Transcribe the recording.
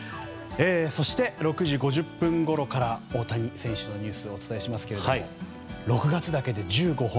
そして、６時５０分ごろから大谷選手のニュースをお伝えしますが６月だけで１５本。